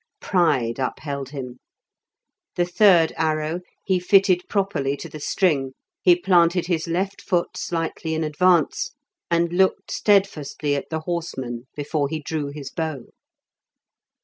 Pride upheld him. The third arrow he fitted properly to the string, he planted his left foot slightly in advance, and looked steadfastly at the horsemen before he drew his bow.